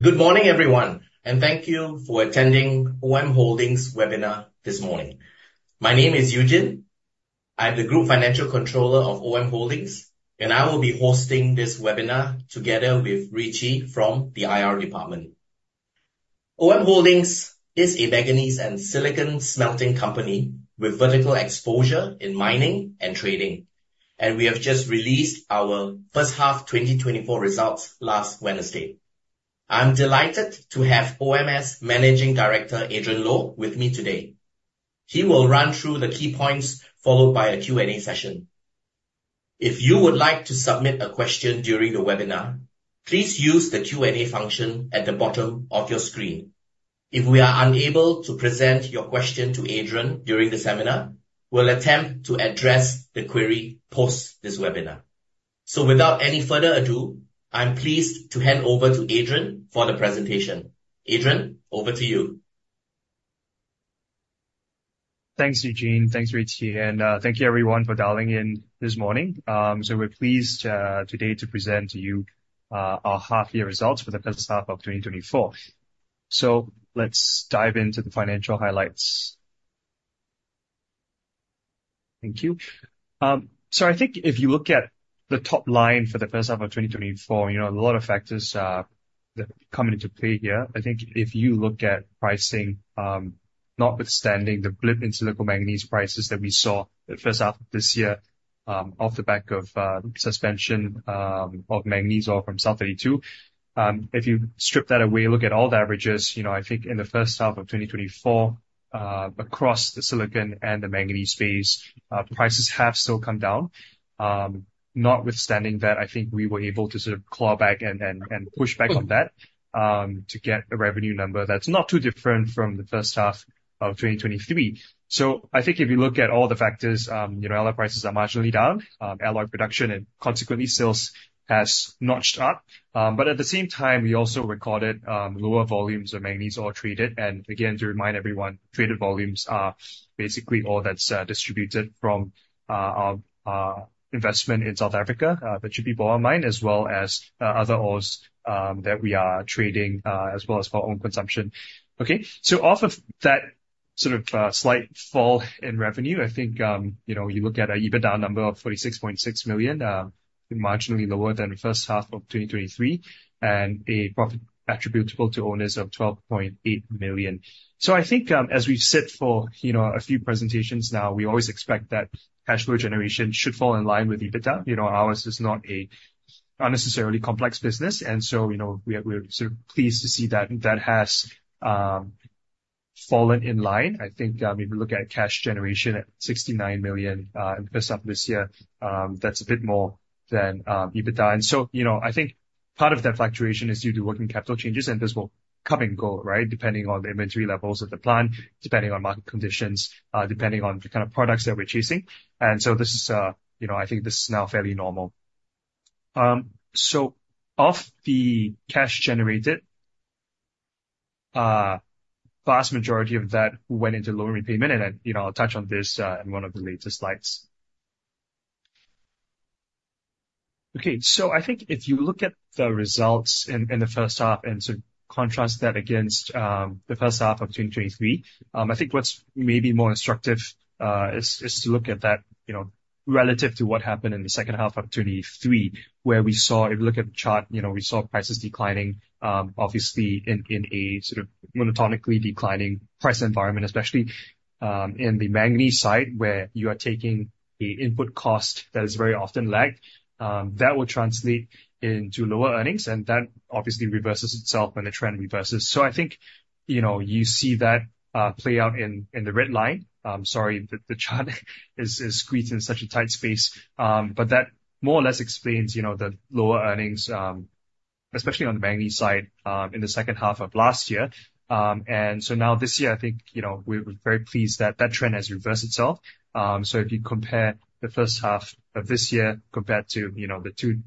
Good morning, everyone, and thank you for attending OM Holdings webinar this morning. My name is Eugene. I'm the Group Financial Controller of OM Holdings, and I will be hosting this webinar together with Richie from the IR department. OM Holdings is a manganese and silicon smelting company with vertical exposure in mining and trading, and we have just released our first half twenty twenty-four results last Wednesday. I'm delighted to have OM' Managing Director, Adrian Low, with me today. He will run through the key points, followed by a Q&A session. If you would like to submit a question during the webinar, please use the Q&A function at the bottom of your screen. If we are unable to present your question to Adrian during the seminar, we'll attempt to address the query, post this webinar. Without any further ado, I'm pleased to hand over to Adrian for the presentation. Adrian, over to you. Thanks, Eugene. Thanks, Richie, and thank you everyone for dialing in this morning. So we're pleased today to present to you our half year results for the first half of 2024. So let's dive into the financial highlights. Thank you. So I think if you look at the top line for the first half of twenty twenty-four, you know, a lot of factors that come into play here. I think if you look at pricing, notwithstanding the blip in sili manganese prices that we saw the first half of this year, off the back of suspension of manganese ore from South32. If you strip that away, look at all the averages, you know, I think in the first half of twenty twenty-four, across the silicon and the manganese phase, prices have still come down. Notwithstanding that, I think we were able to sort of claw back and push back on that to get a revenue number that's not too different from the first half of 2023. So I think if you look at all the factors, you know, our prices are marginally down, alloy production and consequently, sales has notched up. But at the same time, we also recorded lower volumes of manganese ore traded. And again, to remind everyone, traded volumes are basically all that's distributed from our investment in South Africa. That should be borne in mind as well as other ores that we are trading, as well as our own consumption. Okay, so off of that sort of slight fall in revenue, I think you know, you look at our EBITDA number of $46.6 million, marginally lower than the first half of 2023, and a profit attributable to owners of $12.8 million. So I think, as we've said for you know, a few presentations now, we always expect that cash flow generation should fall in line with EBITDA. You know, ours is not a unnecessarily complex business, and so you know, we are, we're sort of pleased to see that that has fallen in line. I think if you look at cash generation at $69 million in the first half of this year, that's a bit more than EBITDA. And so, you know, I think part of that fluctuation is due to working capital changes, and this will come and go, right? Depending on the inventory levels of the plant, depending on market conditions, depending on the kind of products that we're chasing. And so this is, you know, I think this is now fairly normal. So of the cash generated, vast majority of that went into loan repayment, and, you know, I'll touch on this, in one of the later slides. Okay, so I think if you look at the results in the first half and sort of contrast that against, the first half of 2023, I think what's maybe more instructive, is to look at that, you know, relative to what happened in the second half of 2023, where we saw... If you look at the chart, you know, we saw prices declining, obviously in a sort of monotonically declining price environment, especially in the manganese side, where you are taking the input cost that is very often lagged. That will translate into lower earnings, and that obviously reverses itself when the trend reverses. So I think, you know, you see that play out in the red line. I'm sorry, the chart is squeezed in such a tight space, but that more or less explains, you know, the lower earnings, especially on the manganese side, in the second half of last year. And so now this year, I think, you know, we're very pleased that that trend has reversed itself. So if you compare the first half of this year compared to, you know, the two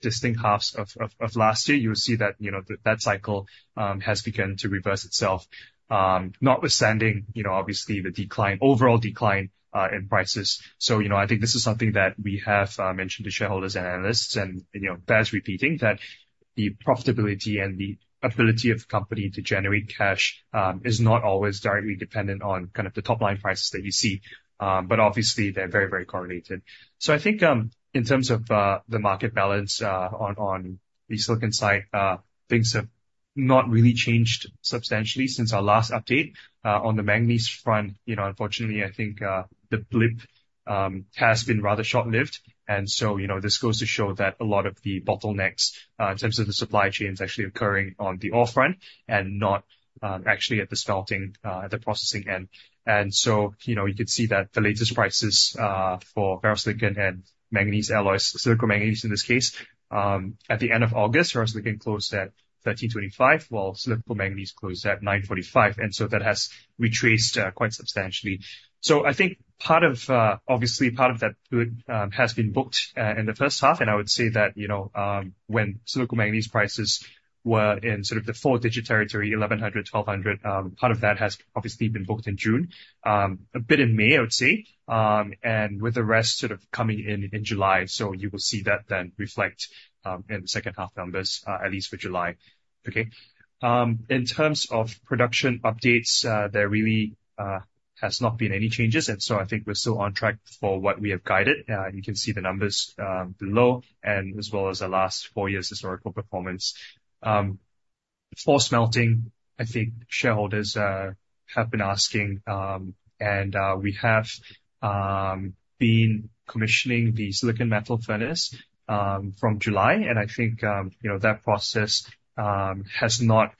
distinct halves of last year, you will see that, you know, that cycle has begun to reverse itself. Notwithstanding, you know, obviously the decline, overall decline in prices. So, you know, I think this is something that we have mentioned to shareholders and analysts. And, you know, bears repeating that the profitability and the ability of company to generate cash is not always directly dependent on kind of the top line prices that you see. But obviously, they're very, very correlated. So I think in terms of the market balance on the silicon side, things have not really changed substantially since our last update. On the manganese front, you know, unfortunately, I think the blip has been rather short-lived. And so, you know, this goes to show that a lot of the bottlenecks in terms of the supply chain is actually occurring on the offering and not actually at the smelting at the processing end. And so, you know, you could see that the latest prices for ferrosilicon and manganese alloys, silicon manganese, in this case, at the end of August, ferrosilicon closed at $1,325, while silicon manganese closed at $945, and so that has retraced quite substantially. So I think part of obviously part of that good has been booked in the first half. I would say that, you know, when silicon manganese prices were in sort of the four-digit territory, 1,100, 1,200, part of that has obviously been booked in June, a bit in May, I would say, and with the rest sort of coming in, in July. You will see that then reflect in the second half numbers, at least for July. Okay. In terms of production updates, there really has not been any changes, and so I think we're still on track for what we have guided. You can see the numbers below, and as well as the last four years' historical performance. For smelting, I think shareholders have been asking, and we have been commissioning the silicon metal furnace from July. I think you know that process has not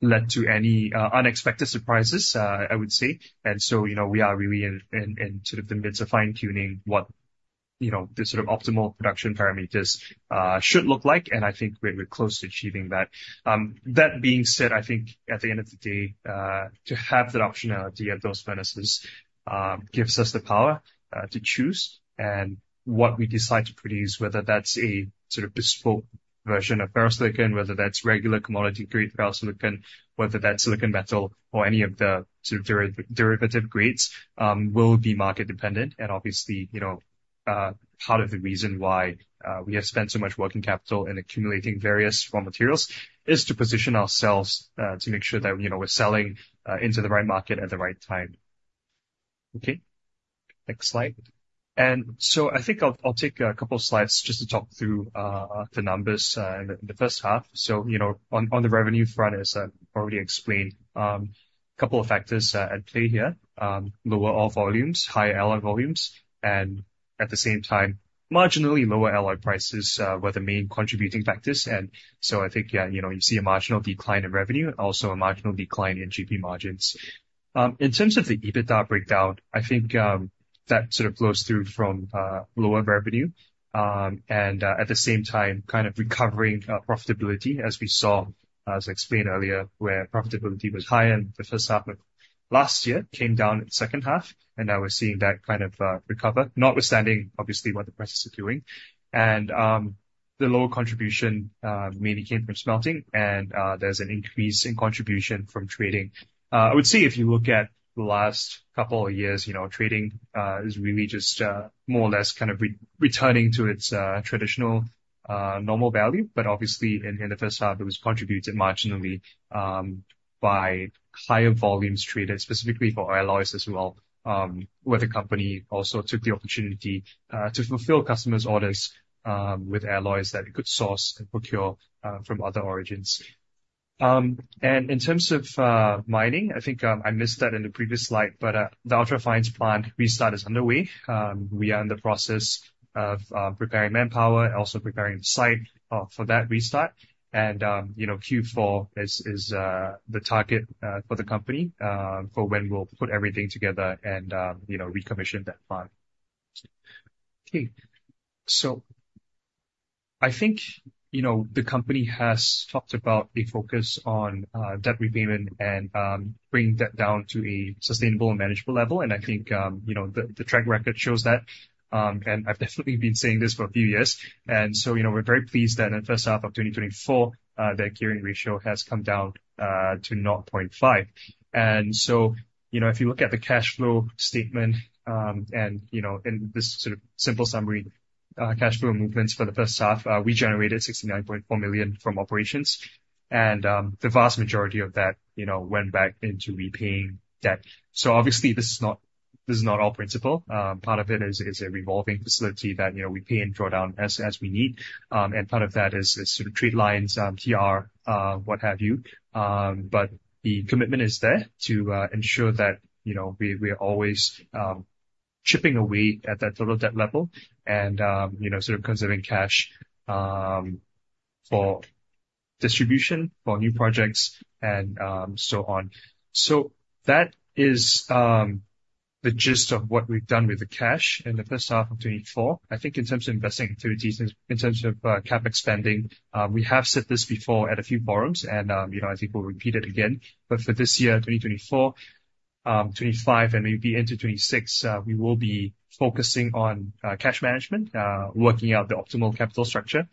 led to any unexpected surprises, I would say. So you know we are really in sort of the midst of fine-tuning what you know the sort of optimal production parameters should look like. I think we're close to achieving that. That being said, I think at the end of the day to have that optionality at those furnaces gives us the power to choose. What we decide to produce, whether that's a sort of bespoke version of ferrosilicon, whether that's regular commodity grade ferrosilicon, whether that's silicon metal or any of the sort of derivative grades, will be market dependent. Obviously, you know, part of the reason why we have spent so much working capital in accumulating various raw materials is to position ourselves to make sure that, you know, we're selling into the right market at the right time. Okay, next slide. I think I'll take a couple of slides just to talk through the numbers in the first half. You know, on the revenue front, as I've already explained, a couple of factors at play here. Lower oil volumes, higher alloy volumes, and at the same time, marginally lower alloy prices were the main contributing factors. I think, yeah, you know, you see a marginal decline in revenue and also a marginal decline in GP margins. In terms of the EBITDA breakdown, I think that sort of flows through from lower revenue. And at the same time, kind of recovering profitability, as we saw, as I explained earlier, where profitability was high in the first half of last year, came down in the second half, and now we're seeing that kind of recover, notwithstanding, obviously, what the prices are doing. And the lower contribution mainly came from smelting, and there's an increase in contribution from trading. I would say, if you look at the last couple of years, you know, trading is really just more or less kind of returning to its traditional normal value. But obviously, in the first half, it was contributed marginally by higher volumes traded specifically for alloys as well, where the company also took the opportunity to fulfill customers' orders with alloys that it could source and procure from other origins. And in terms of mining, I think I missed that in the previous slide, but the Ultra Fines plant restart is underway. We are in the process of preparing manpower and also preparing the site for that restart. And you know, Q4 is the target for the company for when we'll put everything together and you know, recommission that plant. Okay. The company has talked about a focus on debt repayment and bringing debt down to a sustainable and manageable level. I think, you know, the track record shows that, and I've definitely been saying this for a few years. So, you know, we're very pleased that in the first half of 2024, that gearing ratio has come down to 0.5. So, you know, if you look at the cash flow statement, and, you know, in this sort of simple summary, cash flow movements for the first half, we generated $69.4 million from operations, and, the vast majority of that, you know, went back into repaying debt. So obviously, this is not, this is not all principal. Part of it is, is a revolving facility that, you know, we pay and draw down as, as we need. And part of that is sort of trade lines, TR, what have you. But the commitment is there to ensure that, you know, we are always chipping away at that total debt level and, you know, sort of conserving cash for distribution, for new projects, and so on. So that is the gist of what we've done with the cash in the first half of twenty twenty-four. I think in terms of investing activities, in terms of CapEx spending, we have said this before at a few forums, and, you know, I think we'll repeat it again, but for this year, twenty twenty-four, twenty-five, and maybe into twenty twenty-six, we will be focusing on cash management. Working out the optimal capital structure,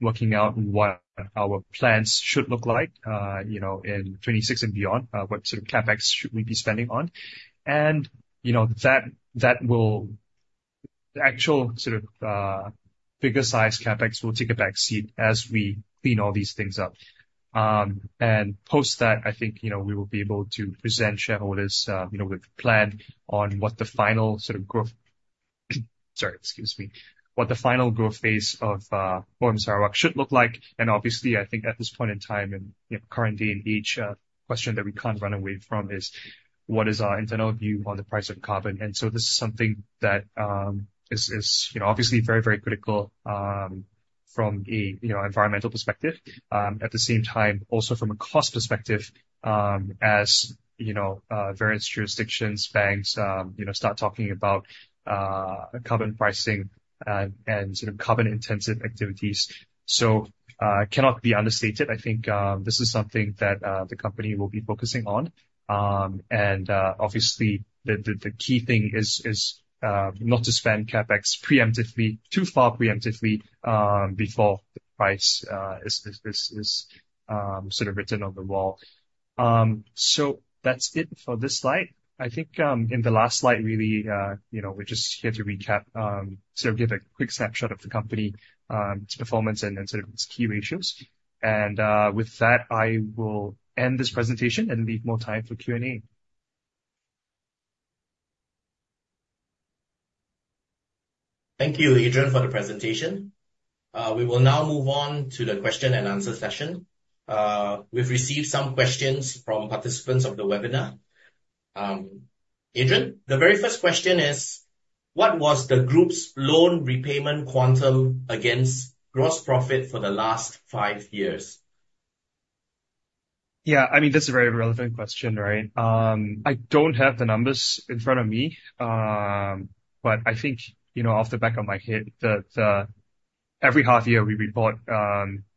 working out what our plans should look like, you know, in 2026 and beyond, what sort of CapEx should we be spending on. And, you know, that, that will... The actual sort of bigger sized CapEx will take a back seat as we clean all these things up. And post that, I think, you know, we will be able to present shareholders, you know, with plan on what the final sort of growth, sorry, excuse me, what the final growth phase of Sarawak should look like. And obviously, I think at this point in time, and, you know, currently in each question that we can't run away from is, what is our internal view on the price of carbon? And so this is something that is, you know, obviously very, very critical from a, you know, environmental perspective. At the same time, also from a cost perspective, as, you know, various jurisdictions, banks, you know, start talking about carbon pricing and sort of carbon-intensive activities. So cannot be understated. I think this is something that the company will be focusing on. And obviously the key thing is not to spend CapEx preemptively, too far preemptively before the price is sort of written on the wall. So that's it for this slide. I think, in the last slide, really, you know, we're just here to recap, sort of give a quick snapshot of the company, its performance and then sort of its key ratios. With that, I will end this presentation and leave more time for Q&A.... Thank you, Adrian, for the presentation. We will now move on to the question and answer session. We've received some questions from participants of the webinar. Adrian, the very first question is, "What was the group's loan repayment quantum against gross profit for the last five years? Yeah, I mean, that's a very relevant question, right? I don't have the numbers in front of me, but I think, you know, off the top of my head, that every half year we report,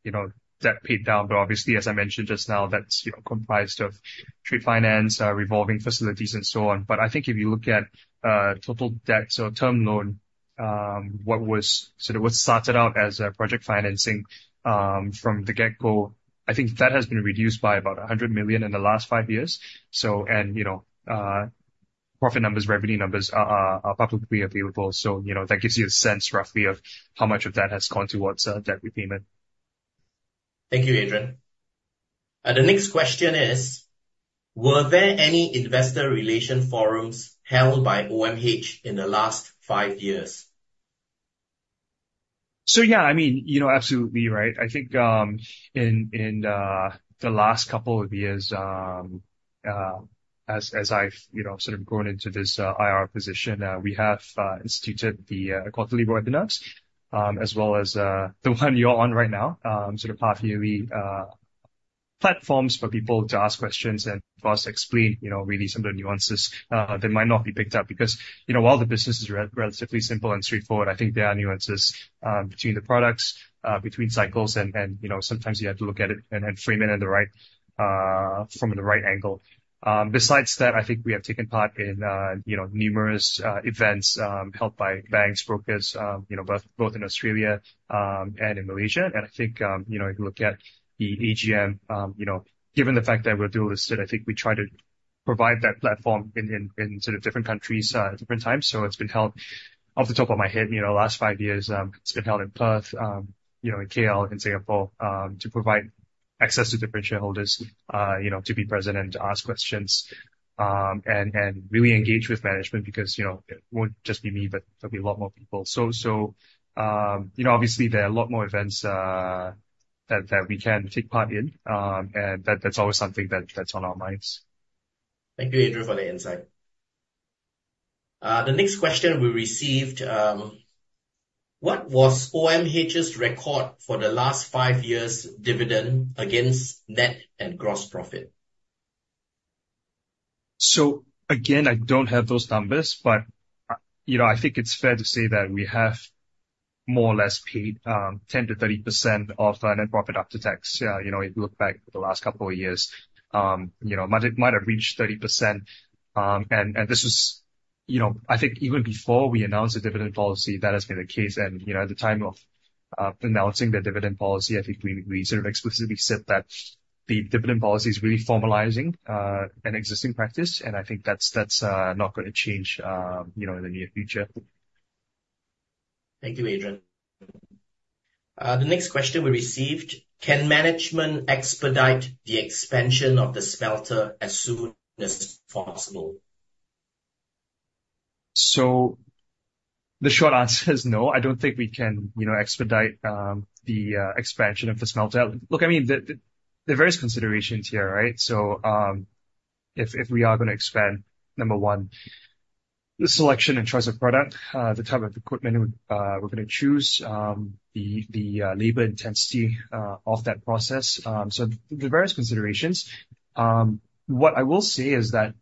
you know, debt paid down. But obviously, as I mentioned just now, that's, you know, comprised of trade finance, revolving facilities, and so on. But I think if you look at total debt, so term loan, so what started out as a project financing from the get-go, I think that has been reduced by about $100 million in the last five years. So, and, you know, profit numbers, revenue numbers are publicly available. So, you know, that gives you a sense, roughly, of how much of that has gone towards debt repayment. Thank you, Adrian. The next question is: "Were there any investor relation forums held by OMH in the last five years? So, yeah, I mean, you know, absolutely right. I think in the last couple of years, as I've, you know, sort of grown into this IR position, we have instituted the quarterly webinars, as well as the one you're on right now, sort of half-yearly platforms for people to ask questions and for us to explain, you know, really some of the nuances that might not be picked up. Because, you know, while the business is relatively simple and straightforward, I think there are nuances between the products, between cycles, and, you know, sometimes you have to look at it and frame it in the right, from the right angle. Besides that, I think we have taken part in, you know, numerous events, held by banks, brokers, you know, both in Australia and in Malaysia. I think, you know, if you look at the AGM, you know, given the fact that we're dual listed, I think we try to provide that platform in sort of different countries at different times. So it's been held, off the top of my head, you know, the last five years, it's been held in Perth, you know, in KL, in Singapore to provide access to different shareholders, you know, to be present and to ask questions and really engage with management. Because, you know, it won't just be me, but there'll be a lot more people. So, you know, obviously there are a lot more events that we can take part in, and that's always something that's on our minds. Thank you, Adrian, for the insight. The next question we received: "What was OMH's record for the last five years' dividend against net and gross profit? Again, I don't have those numbers, but you know, I think it's fair to say that we have more or less paid 10%-30% of net profit after tax. You know, if you look back at the last couple of years, you know, might have reached 30%. This was... You know, I think even before we announced the dividend policy, that has been the case. You know, at the time of announcing the dividend policy, I think we sort of explicitly said that the dividend policy is really formalizing an existing practice, and I think that's not gonna change, you know, in the near future. Thank you, Adrian. The next question we received: "Can management expedite the expansion of the smelter as soon as possible? The short answer is no. I don't think we can, you know, expedite the expansion of the smelter. Look, I mean, there are various considerations here, right? If we are gonna expand, number one, the selection and choice of product, the type of equipment we're gonna choose, the labor intensity of that process. What I will say is that,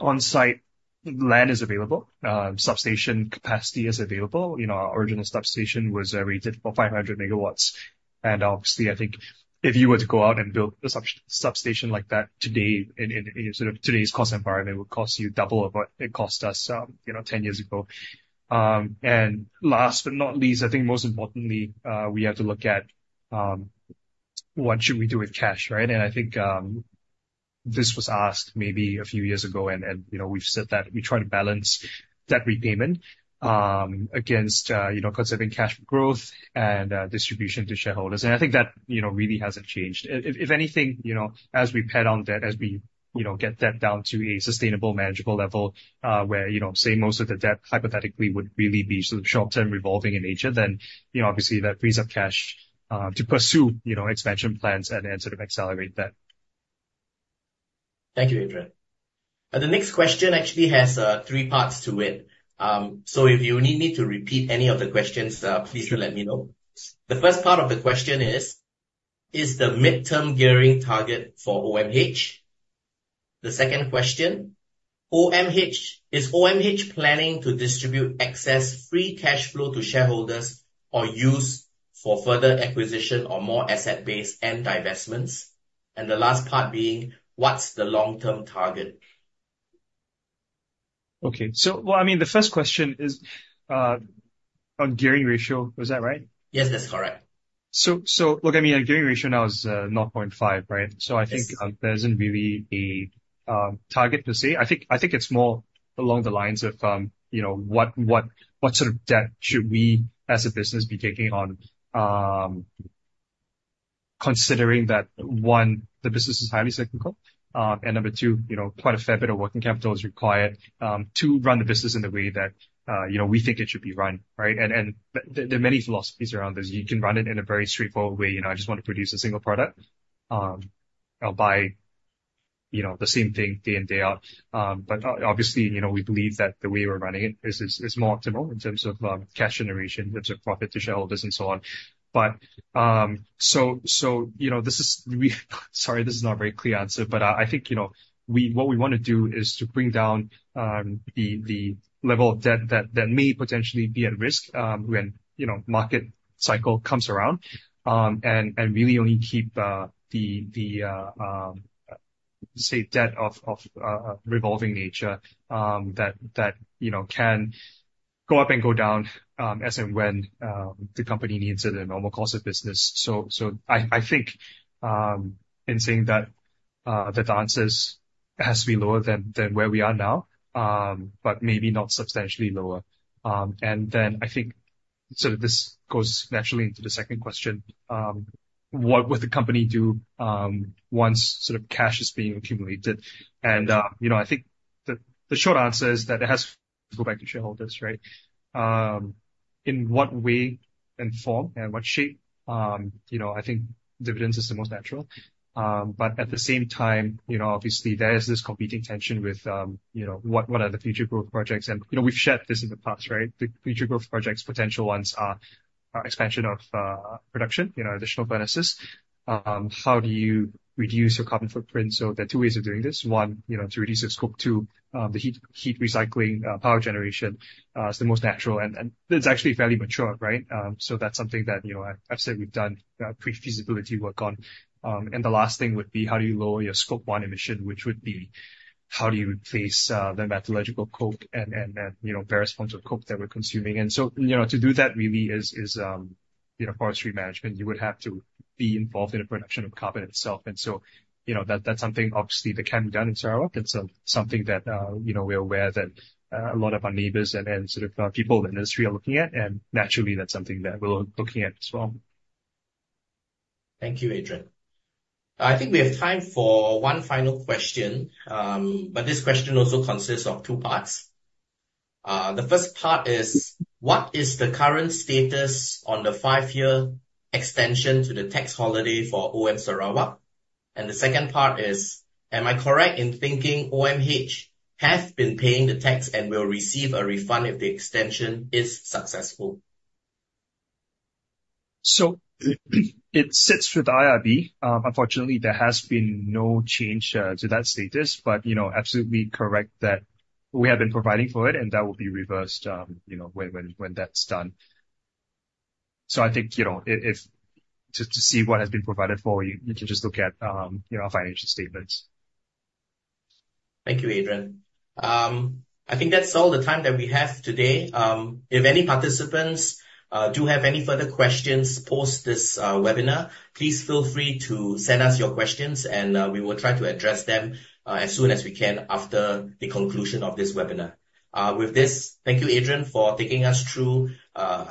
on-site land is available, substation capacity is available. You know, our original substation was rated for five hundred megawatts, and obviously, I think if you were to go out and build a substation like that today, in sort of today's cost environment, it would cost you double of what it cost us, ten years ago. And last but not least, I think most importantly, we have to look at what should we do with cash, right? And I think, this was asked maybe a few years ago, and, you know, we've said that we try to balance debt repayment against, you know, conserving cash growth and distribution to shareholders. And I think that, you know, really hasn't changed. If anything, you know, as we pay down debt, as we, you know, get debt down to a sustainable, manageable level, where, you know, say, most of the debt hypothetically would really be sort of short-term revolving in nature, then, you know, obviously, that frees up cash to pursue, you know, expansion plans and sort of accelerate that. Thank you, Adrian. The next question actually has three parts to it. So if you need me to repeat any of the questions, please do let me know. The first part of the question is: "Is the midterm gearing target for OMH?" The second question: "OMH- Is OMH planning to distribute excess free cash flow to shareholders or use for further acquisition or more asset base and divestments?" And the last part being: "What's the long-term target? Okay. Well, I mean, the first question is on Gearing Ratio, was that right? Yes, that's correct. Look, I mean, our gearing ratio now is 0.5, right? Yes. So I think there isn't really a target to say. I think it's more along the lines of, you know, what sort of debt should we as a business be taking on considering that, one, the business is highly cyclical, and number two, you know, quite a fair bit of working capital is required to run the business in a way that, you know, we think it should be run, right? And there are many philosophies around this. You can run it in a very straightforward way. You know, I just want to produce a single product, I'll buy, you know, the same thing day in, day out. But obviously, you know, we believe that the way we're running it is more optimal in terms of cash generation, in terms of profit to shareholders, and so on. But so, you know, this is, we're sorry, this is not a very clear answer, but I think, you know, what we wanna do is to bring down the level of debt that may potentially be at risk when, you know, market cycle comes around. And really only keep the, say, debt of revolving nature that, you know, can go up and go down as and when the company needs it in a normal course of business. I think, in saying that, the answers has to be lower than where we are now, but maybe not substantially lower. Then I think this goes naturally into the second question: what would the company do, once sort of cash is being accumulated? You know, I think the short answer is that it has to go back to shareholders, right? In what way and form and what shape, you know, I think dividends is the most natural. But at the same time, you know, obviously there is this competing tension with, you know, what are the future growth projects? You know, we've shared this in the past, right? The future growth projects, potential ones, are expansion of production, you know, additional furnaces. How do you reduce your carbon footprint? There are two ways of doing this. One, you know, to reduce your Scope 2, the heat, heat recycling, power generation, is the most natural, and it's actually fairly mature, right? That's something that, you know, I've said we've done, pre-feasibility work on. The last thing would be, how do you lower your Scope 1 emission, which would be, how do you replace, the metallurgical coke and, you know, various forms of coke that we're consuming? To do that really is, you know, forestry management. You would have to be involved in the production of carbon itself. That's something obviously that can be done in Sarawak. It's something that, you know, we are aware that a lot of our neighbors and sort of people in the industry are looking at, and naturally, that's something that we're looking at as well. Thank you, Adrian. I think we have time for one final question, but this question also consists of two parts. The first part is: What is the current status on the five-year extension to the tax holiday for OM Sarawak? And the second part is: Am I correct in thinking OMH has been paying the tax and will receive a refund if the extension is successful? So it sits with IRB. Unfortunately, there has been no change to that status, but, you know, absolutely correct, that we have been providing for it, and that will be reversed, you know, when that's done. So I think, you know, just to see what has been provided for you, you can just look at, you know, financial statements. Thank you, Adrian. I think that's all the time that we have today. If any participants do have any further questions, post this webinar, please feel free to send us your questions, and we will try to address them as soon as we can after the conclusion of this webinar. With this, thank you, Adrian, for taking us through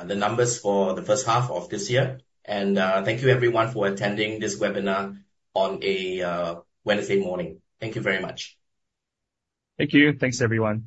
the numbers for the first half of this year. And thank you, everyone, for attending this webinar on a Wednesday morning. Thank you very much. Thank you. Thanks, everyone.